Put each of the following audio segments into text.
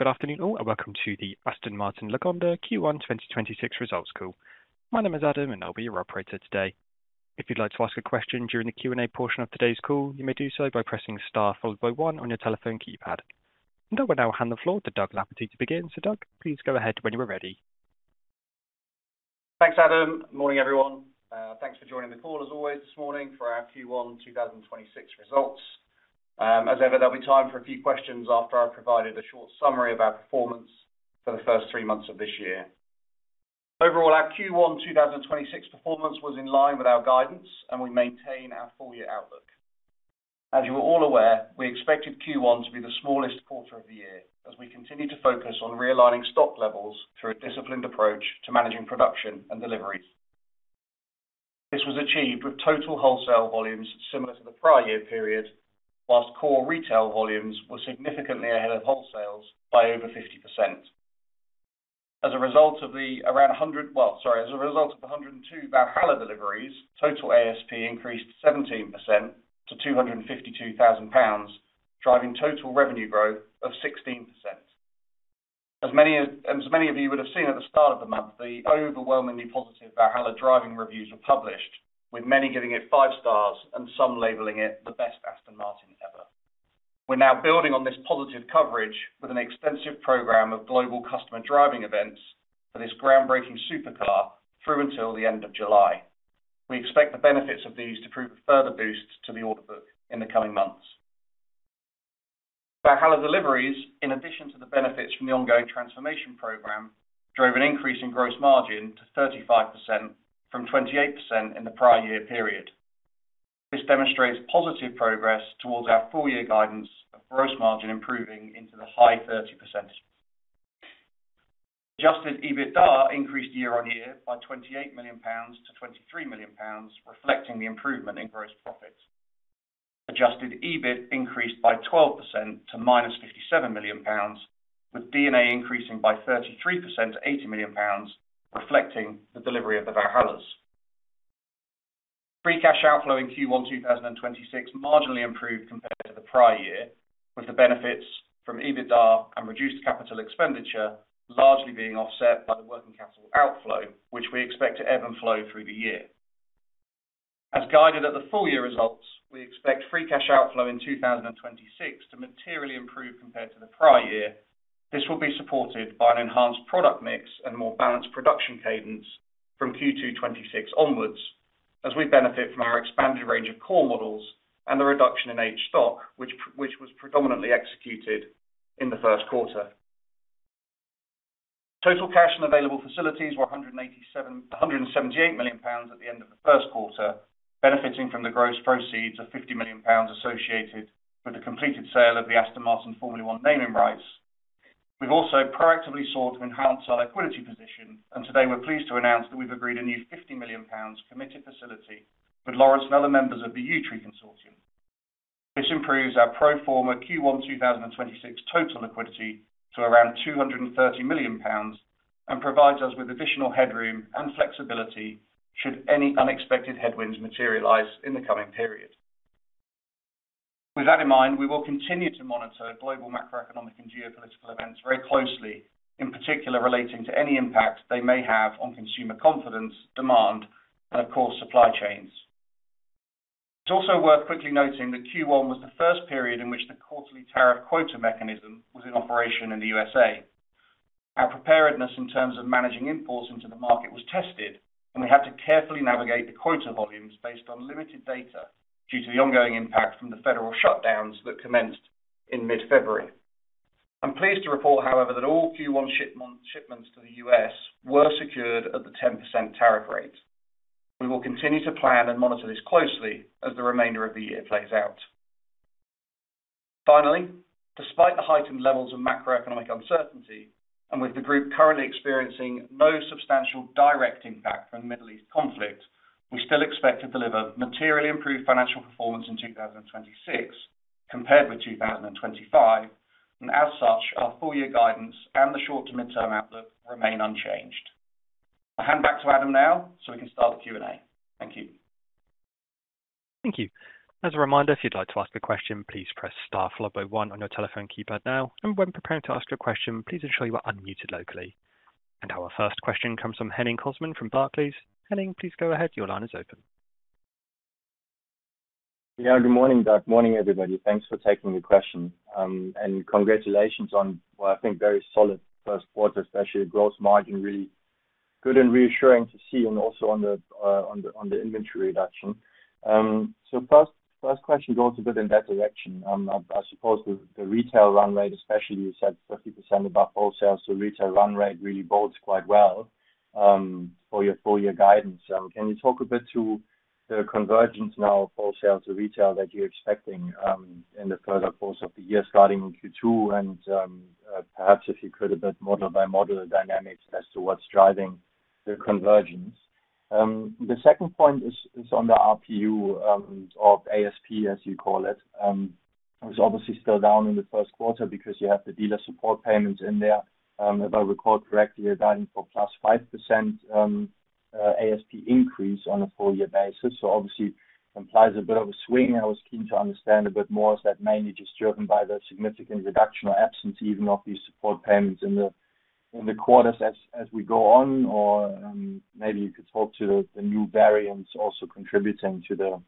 Good morning all. Good afternoon all. Welcome to the Aston Martin Lagonda Q1 2026 results call. My name is Adam, and I'll be your operator today. If you'd like to ask a question during the Q&A portion of today's call, you may do so by pressing star followed by one on your telephone keypad. I will now hand the floor to Doug Lafferty to begin. Doug, please go ahead when you are ready. Thanks, Adam. Morning, everyone. Thanks for joining the call as always this morning for our Q1 2026 results. As ever, there'll be time for a few questions after I've provided a short summary of our performance for the first three months of this year. Overall, our Q1 2026 performance was in line with our guidance, and we maintain our full-year outlook. As you are all aware, we expected Q1 to be the smallest quarter of the year as we continue to focus on realigning stock levels through a disciplined approach to managing production and deliveries. This was achieved with total wholesale volumes similar to the prior year period, whilst core retail volumes were significantly ahead of wholesales by over 50%. As a result of 102 Valhalla deliveries, total ASP increased 17% to 252,000 pounds, driving total revenue growth of 16%. As many of you would have seen at the start of the month, the overwhelmingly positive Valhalla driving reviews were published, with many giving it five stars and some labeling it the best Aston Martin ever. We're now building on this positive coverage with an extensive program of global customer driving events for this groundbreaking supercar through until the end of July. We expect the benefits of these to prove a further boost to the order book in the coming months. Valhalla deliveries, in addition to the benefits from the ongoing transformation program, drove an increase in gross margin to 35% from 28% in the prior year period. This demonstrates positive progress towards our full-year guidance of gross margin improving into the high 30%. Adjusted EBITDA increased year-over-year by 28 million pounds to 23 million pounds, reflecting the improvement in gross profits. Adjusted EBIT increased by 12% to -57 million pounds, with D&A increasing by 33% to 80 million pounds, reflecting the delivery of the Valhallas. Free cash outflow in Q1 2026 marginally improved compared to the prior year, with the benefits from EBITDA and reduced capital expenditure largely being offset by the working capital outflow, which we expect to ebb and flow through the year. As guided at the full-year results, we expect free cash outflow in 2026 to materially improve compared to the prior year. This will be supported by an enhanced product mix and more balanced production cadence from Q2 2026 onwards as we benefit from our expanded range of core models and the reduction in age stock, which was predominantly executed in the first quarter. Total cash and available facilities were 178 million pounds at the end of the first quarter, benefiting from the gross proceeds of 50 million pounds associated with the completed sale of the Aston Martin Formula One naming rights. We've also proactively sought to enhance our liquidity position, and today we're pleased to announce that we've agreed a new 50 million pounds committed facility with Lawrence and other members of the Yew Tree Consortium. This improves our pro forma Q1 2026 total liquidity to around 230 million pounds and provides us with additional headroom and flexibility should any unexpected headwinds materialize in the coming period. With that in mind, we will continue to monitor global macroeconomic and geopolitical events very closely, in particular relating to any impact they may have on consumer confidence, demand, and of course, supply chains. It's also worth quickly noting that Q1 was the first period in which the quarterly tariff quota mechanism was in operation in the U.S.A. Our preparedness in terms of managing imports into the market was tested, and we had to carefully navigate the quota volumes based on limited data due to the ongoing impact from the federal shutdowns that commenced in mid-February. I'm pleased to report, however, that all Q1 shipments to the U.S. were secured at the 10% tariff rate. We will continue to plan and monitor this closely as the remainder of the year plays out. Despite the heightened levels of macroeconomic uncertainty and with the group currently experiencing no substantial direct impact from the Middle East conflict, we still expect to deliver materially improved financial performance in 2026 compared with 2025. As such, our full-year guidance and the short to midterm outlook remain unchanged. I'll hand back to Adam now so we can start the Q&A. Thank you. Thank you. As a reminder, if you'd like to ask a question, please press star followed by one on your telephone keypad now. When preparing to ask your question, please ensure you are unmuted locally. Our first question comes from Henning Cosman from Barclays. Henning, please go ahead. Your line is open. Good morning, Doug. Morning, everybody. Thanks for taking the question. Congratulations on what I think very solid first quarter, especially gross margin, really good and reassuring to see and also on the inventory reduction. First question goes a bit in that direction. I suppose the retail run rate especially, you said 50% above wholesale, retail run rate really bodes quite well for your full-year guidance. Can you talk a bit to the convergence now of wholesale to retail that you're expecting in the further course of the year starting in Q2 and perhaps if you could, a bit model by model dynamics as to what's driving the convergence? The second point is on the RPU or ASP as you call it. It was obviously still down in the first quarter because you have the dealer support payments in there. If I recall correctly, you're guiding for +5% ASP increase on a full year basis. Obviously implies a bit of a swing. I was keen to understand a bit more. Is that mainly just driven by the significant reduction or absence even of these support payments in the, in the quarters as we go on, maybe you could talk to the new variants also contributing to the,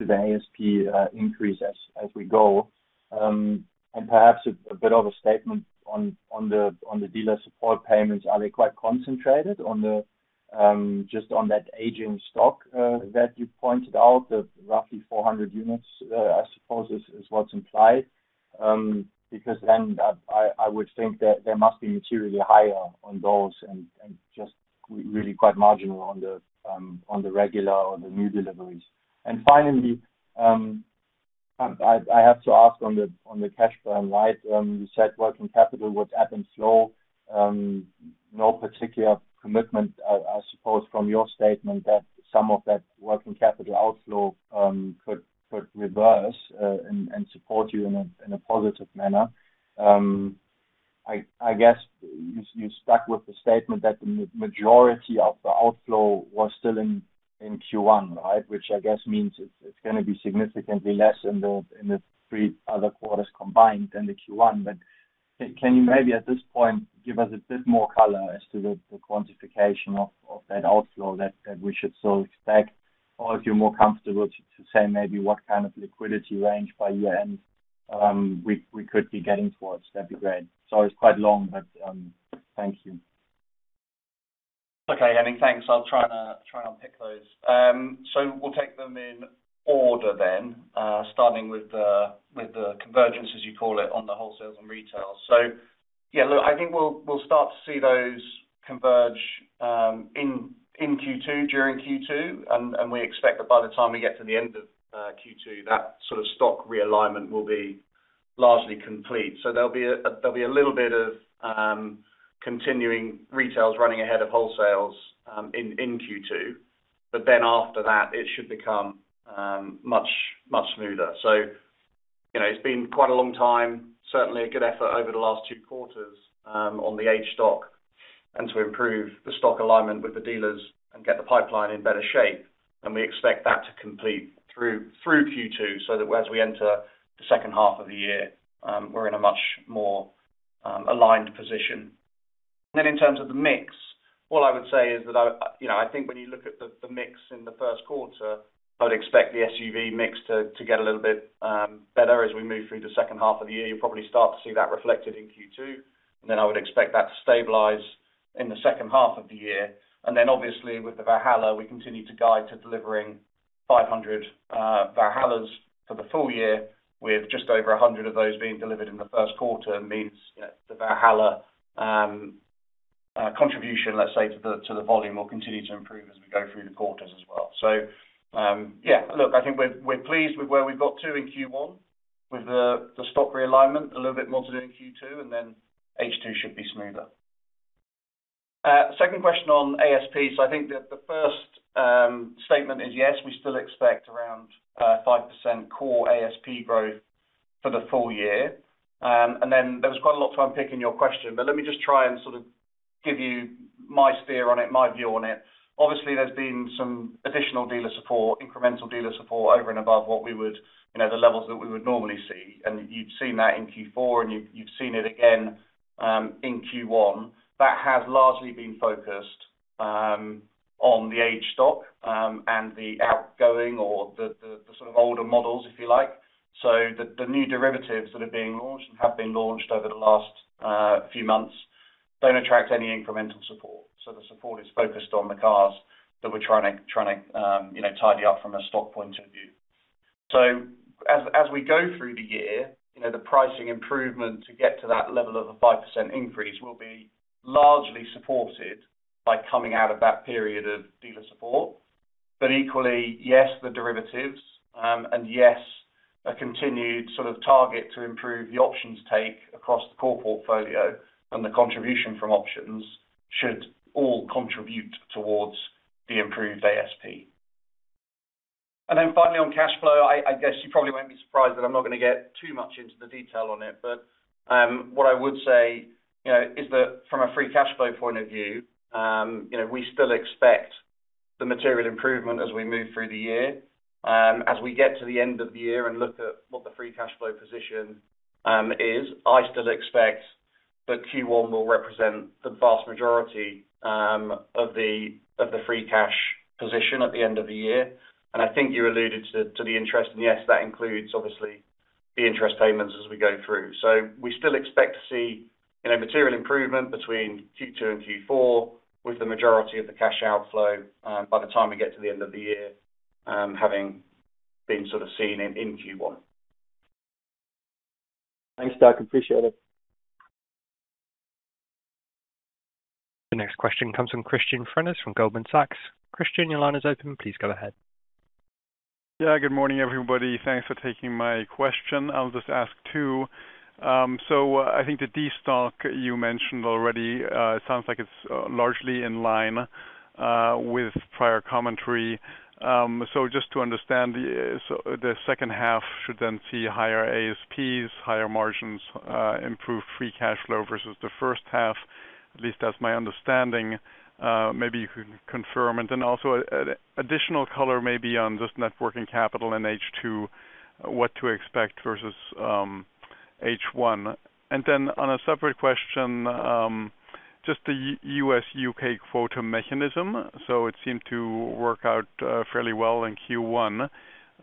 to the ASP increase as we go. Perhaps a bit of a statement on the dealer support payments. Are they quite concentrated on the just on that aging stock that you pointed out of roughly 400 units, I suppose is what's implied. Because then I would think that they must be materially higher on those and just really quite marginal on the regular or the new deliveries. Finally, I have to ask on the cash burn, right, you said working capital was ebb and flow. No particular commitment, I suppose from your statement that some of that working capital outflow could reverse and support you in a positive manner. I guess you stuck with the statement that the majority of the outflow was still in Q1, right? Which I guess means it's gonna be significantly less in the three other quarters combined than the Q1. Can you maybe at this point give us a bit more color as to the quantification of that outflow that we should so expect, or if you're more comfortable to say maybe what kind of liquidity range by year-end, we could be getting towards, that'd be great. Sorry, it's quite long, thank you. Okay. I mean, thanks. I'll try and unpick those. We'll take them in order then, starting with the convergence, as you call it, on the wholesale and retail. Yeah, look, I think we'll start to see those converge in Q2, during Q2, and we expect that by the time we get to the end of Q2, that sort of stock realignment will be largely complete. There'll be a little bit of continuing retails running ahead of wholesales in Q2, but then after that it should become much smoother. You know, it's been quite a long time, certainly a good effort over the last two quarters on the aged stock and to improve the stock alignment with the dealers and get the pipeline in better shape. We expect that to complete through Q2, so that as we enter the second half of the year, we're in a much more aligned position. In terms of the mix, what I would say is that I, you know, I think when you look at the mix in the first quarter, I'd expect the SUV mix to get a little bit better as we move through the second half of the year. You'll probably start to see that reflected in Q2, and then I would expect that to stabilize in the second half of the year. Obviously with the Valhalla, we continue to guide to delivering 500 Valhallas for the full year with just over 100 of those being delivered in the first quarter means that the Valhalla contribution, let's say to the volume, will continue to improve as we go through the quarters as well. Yeah, look, I think we're pleased with where we've got to in Q1 with the stock realignment. A little bit more to do in Q2, and then H2 should be smoother. Second question on ASP. I think the first statement is yes, we still expect around 5% core ASP growth for the full year. There was quite a lot to unpick in your question, but let me just try and give you my steer on it, my view on it. Obviously, there's been some additional dealer support, incremental dealer support over and above what we would, you know, the levels that we would normally see. You've seen that in Q4, and you've seen it again in Q1. That has largely been focused on the aged stock and the outgoing or the older models, if you like. The new derivatives that are being launched and have been launched over the last few months don't attract any incremental support. The support is focused on the cars that we're trying to, you know, tidy up from a stock point of view. As, as we go through the year, you know, the pricing improvement to get to that level of a 5% increase will be largely supported by coming out of that period of dealer support. Equally, yes, the derivatives, and yes, a continued sort of target to improve the options take across the core portfolio and the contribution from options should all contribute towards the improved ASP. Then finally on cash flow, I guess you probably won't be surprised that I'm not gonna get too much into the detail on it. What I would say, you know, is that from a free cash flow point of view, you know, we still expect the material improvement as we move through the year. As we get to the end of the year and look at what the free cash flow position is, I still expect that Q1 will represent the vast majority of the free cash position at the end of the year. I think you alluded to the interest, and yes, that includes obviously the interest payments as we go through. We still expect to see, you know, material improvement between Q2 and Q4 with the majority of the cash outflow by the time we get to the end of the year, having been sort of seen in Q1. Thanks, Doug, appreciate it. The next question comes from Christian Frenes from Goldman Sachs. Christian, your line is open. Please go ahead. Good morning, everybody. Thanks for taking my question. I'll just ask two. I think the destock you mentioned already, it sounds like it's largely in line with prior commentary. Just to understand, the second half should then see higher ASPs, higher margins, improve free cash flow versus the first half. At least that's my understanding, maybe you can confirm. Also, additional color maybe on just networking capital in H2, what to expect versus H1. On a separate question, just the U.S., U.K. quota mechanism. It seemed to work out fairly well in Q1.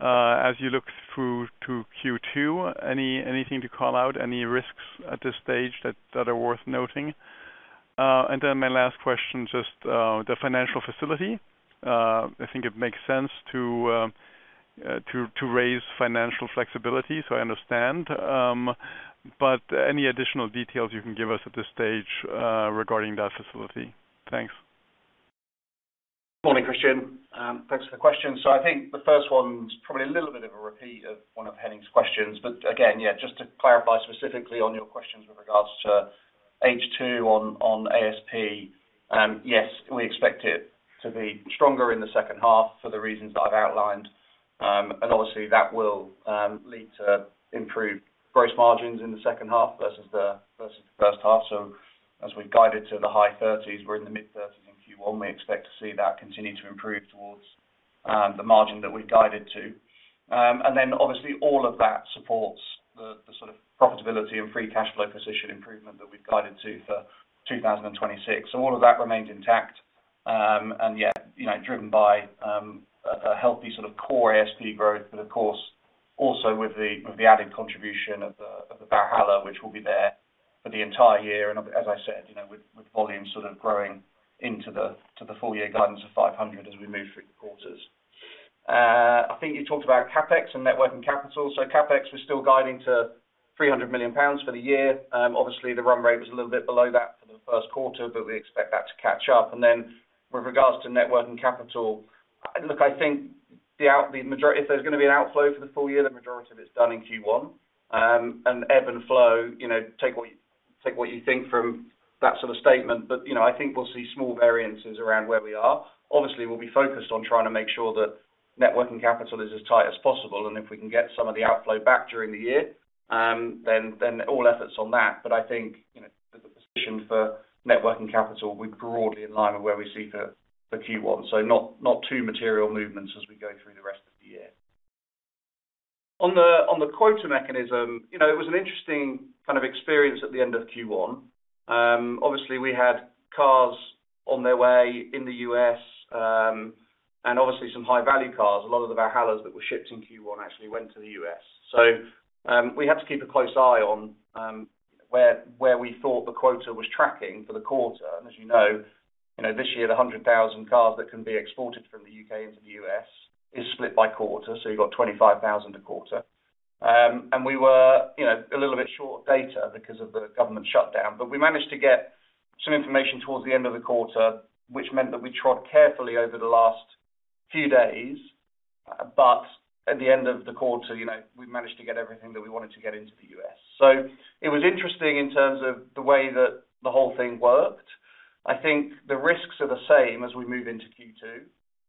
As you look through to Q2, anything to call out, any risks at this stage that are worth noting? My last question, just the financial facility. I think it makes sense to raise financial flexibility, I understand. Any additional details you can give us at this stage, regarding that facility? Thanks. Morning, Christian. Thanks for the question. I think the first one's probably a little bit of a repeat of one of Henning's questions. Again, yeah, just to clarify specifically on your questions with regards to H2 on ASP. Yes, we expect it to be stronger in the second half for the reasons that I've outlined. Obviously, that will lead to improved gross margins in the second half versus the first half. As we guided to the high 30s, we're in the mid-30s in Q1. We expect to see that continue to improve towards the margin that we guided to. Obviously all of that supports the sort of profitability and free cash flow position improvement that we've guided to for 2026. All of that remains intact. Yeah, you know, driven by a healthy sort of core ASP growth, but of course, also with the added contribution of the Valhalla, which will be there for the entire year. As I said, you know, with volume sort of growing into the full year guidance of 500 as we move through quarters. I think you talked about CapEx and networking capital. CapEx, we're still guiding to 300 million pounds for the year. Obviously, the run rate was a little bit below that for the first quarter, but we expect that to catch up. Then with regards to networking capital, look, I think the majority, if there's gonna be an outflow for the full year, the majority of it's done in Q1. Ebb and flow, you know, take what you, take what you think from that sort of statement. You know, I think we'll see small variances around where we are. Obviously, we'll be focused on trying to make sure that networking capital is as tight as possible, and if we can get some of the outflow back during the year, then all efforts on that. I think, you know, the position for networking capital will be broadly in line with where we see for Q1. Not 2 material movements as we go through the rest of the year. On the quota mechanism, you know, it was an interesting kind of experience at the end of Q1. Obviously, we had cars on their way in the U.S., and obviously some high-value cars. A lot of the Valhallas that were shipped in Q1 actually went to the U.S. We have to keep a close eye on where we thought the quota was tracking for the quarter. As you know, this year, the 100,000 cars that can be exported from the U.K. into the U.S. is split by quarter, so you got 25,000 a quarter. We were, you know, a little bit short of data because of the government shutdown. We managed to get some information towards the end of the quarter, which meant that we trod carefully over the last few days. At the end of the quarter, you know, we managed to get everything that we wanted to get into the U.S. It was interesting in terms of the way that the whole thing worked. I think the risks are the same as we move into Q2.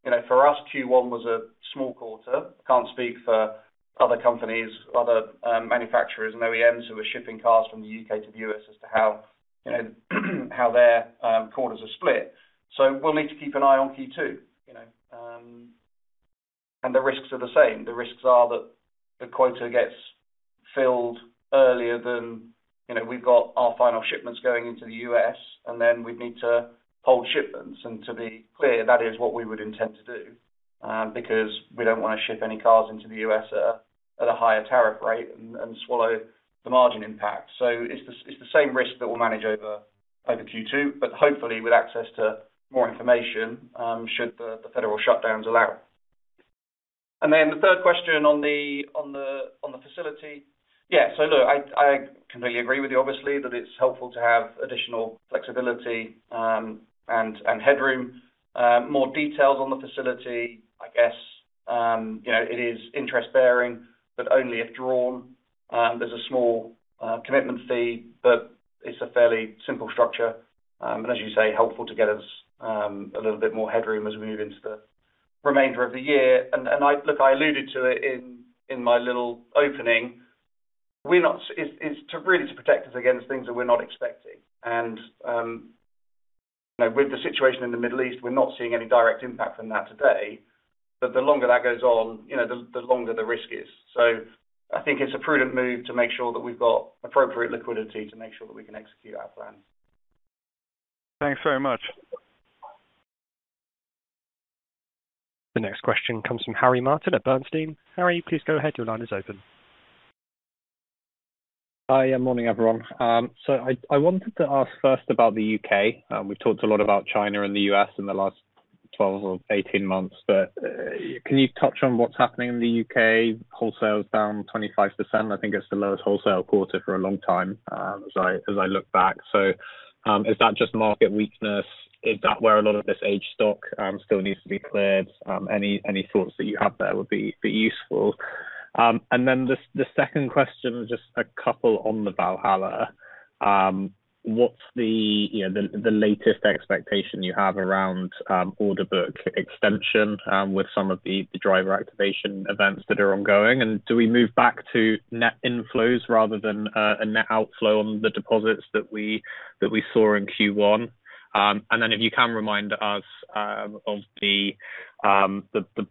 You know, for us, Q1 was a small quarter. Can't speak for other companies, other manufacturers and OEMs who are shipping cars from the U.K. to the U.S. as to how, you know, how their quarters are split. We'll need to keep an eye on Q2, you know, and the risks are the same. The risks are that the quota gets filled earlier than, you know, we've got our final shipments going into the U.S., and then we'd need to hold shipments. To be clear, that is what we would intend to do because we don't wanna ship any cars into the U.S. at a higher tariff rate and swallow the margin impact. It's the same risk that we'll manage over Q2, but hopefully with access to more information, should the federal shutdowns allow. The third question on the facility. I completely agree with you, obviously, that it's helpful to have additional flexibility and headroom. More details on the facility, I guess, you know, it is interest-bearing, but only if drawn. There's a small commitment fee, but it's a fairly simple structure. As you say, helpful to get us a little bit more headroom as we move into the remainder of the year. I alluded to it in my little opening. It is to really protect us against things that we're not expecting. You know, with the situation in the Middle East, we're not seeing any direct impact from that today. The longer that goes on, you know, the longer the risk is. I think it's a prudent move to make sure that we've got appropriate liquidity to make sure that we can execute our plan. Thanks very much. The next question comes from Harry Martin at Bernstein. Harry, please go ahead. Your line is open. Hi. Morning, everyone. I wanted to ask first about the U.K. We've talked a lot about China and the U.S. in the last 12 or 18 months, but can you touch on what's happening in the U.K.? Wholesale is down 25%. I think it's the lowest wholesale quarter for a long time, as I look back. Is that just market weakness? Is that where a lot of this age stock still needs to be cleared? Any thoughts that you have there would be useful. Then the second question, just a couple on the Valhalla. What's the, you know, the latest expectation you have around order book extension with some of the driver activation events that are ongoing? Do we move back to net inflows rather than a net outflow on the deposits that we saw in Q1? Then if you can remind us of the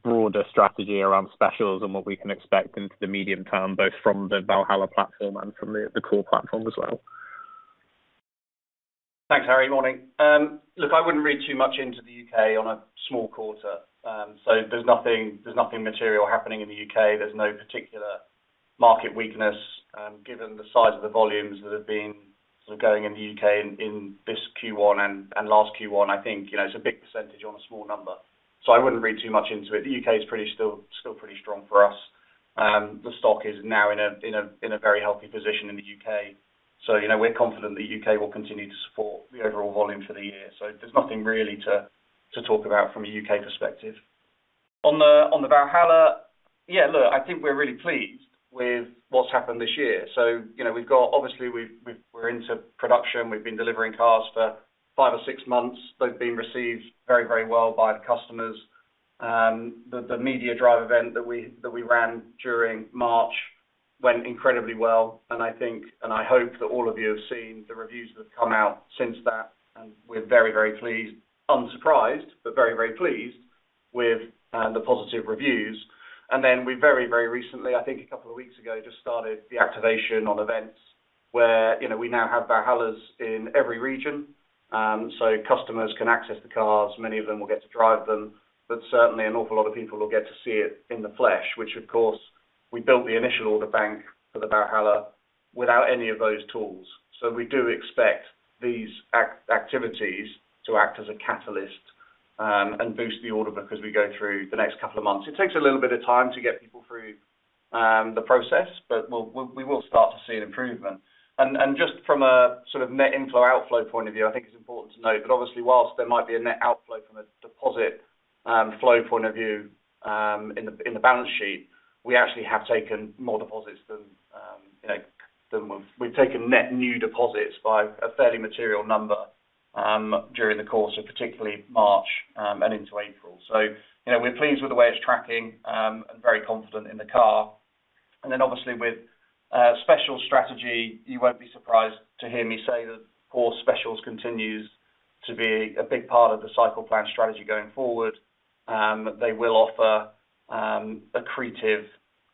broader strategy around specials and what we can expect into the medium term, both from the Valhalla platform and from the core platform as well. Thanks, Harry. Morning. Look, I wouldn't read too much into the U.K. on a small quarter. There's nothing, there's nothing material happening in the U.K. There's no particular market weakness, given the size of the volumes that have been sort of going in the U.K. in this Q1 and last Q1. I think, you know, it's a big percentage on a small one, I wouldn't read too much into it. The U.K. is still pretty strong for us. The stock is now in a very healthy position in the U.K. You know, we're confident the U.K. will continue to support the overall volume for the year. There's nothing really to talk about from a U.K. perspective. On the Valhalla, yeah, look, I think we're really pleased with what's happened this year. You know, obviously, we're into production. We've been delivering cars for five or six months. They've been received very, very well by the customers. The media drive event that we ran during March went incredibly well, and I hope that all of you have seen the reviews that have come out since that. We're very, very pleased, unsurprised, but very, very pleased with the positive reviews. We very, very recently, I think a couple of weeks ago, just started the activation on events where, you know, we now have Valhallas in every region. Customers can access the cars. Many of them will get to drive them, but certainly an awful lot of people will get to see it in the flesh, which of course, we built the initial order bank for the Valhalla without any of those tools. We do expect these activities to act as a catalyst and boost the order book as we go through the next couple of months. It takes a little bit of time to get people through the process, but we will start to see an improvement. Just from a sort of net inflow outflow point of view, I think it's important to note that obviously, whilst there might be a net outflow from a deposit flow point of view, in the balance sheet, we actually have taken more deposits than, you know, than we've. We've taken net new deposits by a fairly material number, during the course of particularly March, and into April. You know, we're pleased with the way it's tracking, and very confident in the car. Obviously with special strategy, you won't be surprised to hear me say that core specials continues to be a big part of the cycle plan strategy going forward. They will offer accretive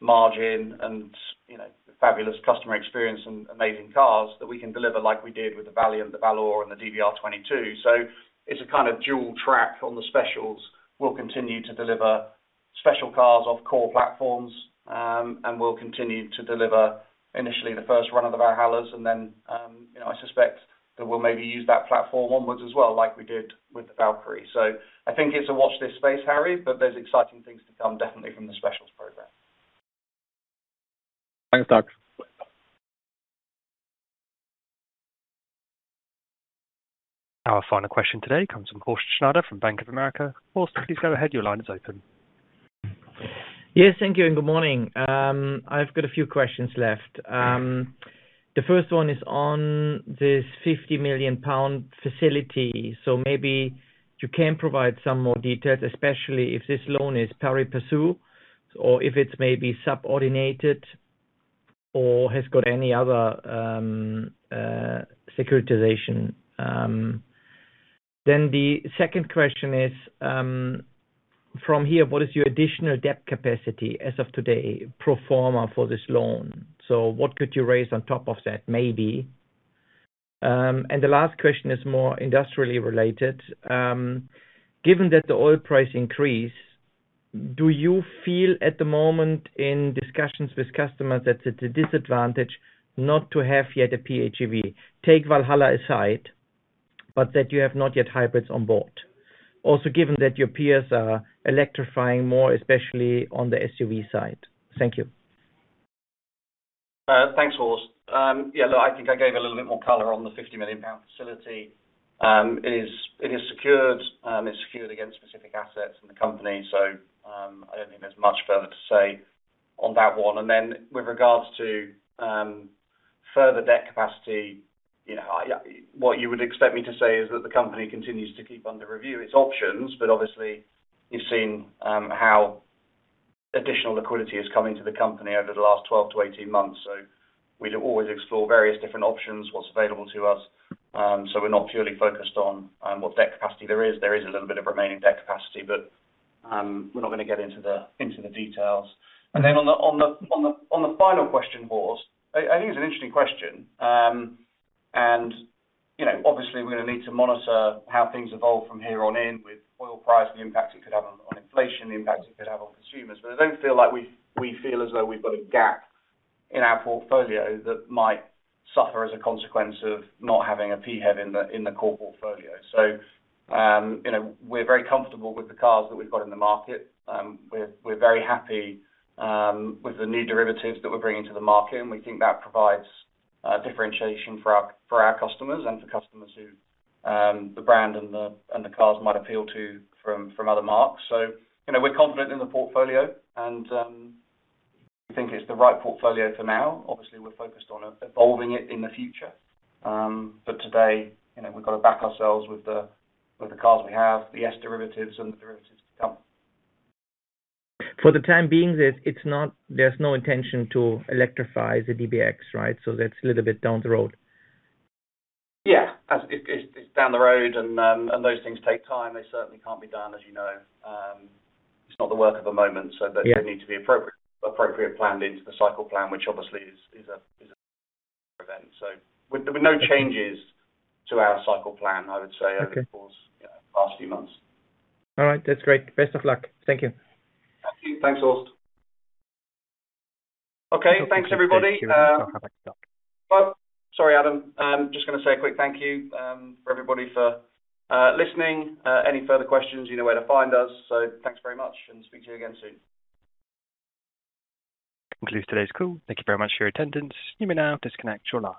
margin and, you know, fabulous customer experience and amazing cars that we can deliver like we did with the Valhalla and the Valour and the DBR22. It's a kind of dual track on the specials. We'll continue to deliver special cars off core platforms, and we'll continue to deliver initially the first run of the Valhallas and then, you know, I suspect that we'll maybe use that platform onwards as well like we did with the Valkyrie. I think it's a watch this space, Harry, but there's exciting things to come definitely from the specials program. Thanks, Doug. Our final question today comes from Horst Schneider from Bank of America. Horst, please go ahead. Your line is open. Yes, thank you, and good morning. I've got a few questions left. The first one is on this 50 million pound facility. Maybe you can provide some more details, especially if this loan is pari passu or if it's maybe subordinated or has got any other securitization. The second question is, from here, what is your additional debt capacity as of today, pro forma for this loan? What could you raise on top of that, maybe? The last question is more industrially related. Given that the oil price increase, do you feel at the moment in discussions with customers that it's a disadvantage not to have yet a PHEV, take Valhalla aside, but that you have not yet hybrids on board? Also, given that your peers are electrifying more, especially on the SUV side. Thank you. Thanks, Horst. Yeah, look, I think I gave a little bit more color on the 50 million pound facility. It is secured. It's secured against specific assets in the company. I don't think there's much further to say on that one. With regards to further debt capacity, you know, what you would expect me to say is that the company continues to keep under review its options. Obviously, you've seen how additional liquidity is coming to the company over the last 12 to 18 months. We always explore various different options, what's available to us. We're not purely focused on what debt capacity there is. There is a little bit of remaining debt capacity, but we're not gonna get into the details. On the final question, Horst, I think it's an interesting question. You know, obviously, we're gonna need to monitor how things evolve from here on in with oil price and the impact it could have on inflation, the impact it could have on consumers. I don't feel like we feel as though we've got a gap in our portfolio that might suffer as a consequence of not having a PHEV in the core portfolio. You know, we're very comfortable with the cars that we've got in the market. We're very happy with the new derivatives that we're bringing to the market, we think that provides differentiation for our customers and for customers who the brand and the cars might appeal to from other marks. You know, we're confident in the portfolio and think it's the right portfolio for now. Obviously, we're focused on evolving it in the future. Today, you know, we've got to back ourselves with the cars we have, the S derivatives and the derivatives to come. For the time being, there's no intention to electrify the DBX, right? That's a little bit down the road. Yeah. It's down the road and those things take time. They certainly can't be done, as you know. It's not the work of a moment. Yeah Do need to be appropriate planned into the cycle plan, which obviously is a event. There were no changes to our cycle plan. Okay Over the course, yeah, past few months. All right. That's great. Best of luck. Thank you. Thank you. Thanks, Horst. Okay, thanks, everybody. Thank you. Sorry, Adam. I'm just gonna say a quick thank you for everybody for listening. Any further questions, you know where to find us. Thanks very much, and speak to you again soon. Concludes today's call. Thank you very much for your attendance. You may now disconnect your line.